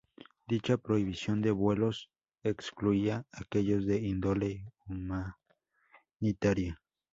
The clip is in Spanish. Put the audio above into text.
Dicha prohibición de vuelos excluía aquellos de índole humanitaria.